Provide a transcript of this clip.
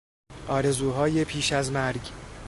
آرزوهای پیش از مرگ